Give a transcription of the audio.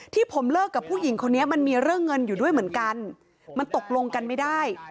ที่ผมเลิกกับผู้หญิงคนนี้มันมีเรื่องเงินอยู่ด้วยเหมือนกันมันตกลงกันไม่ได้